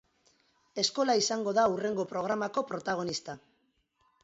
Eskola izango da hurrengo programako protagonista.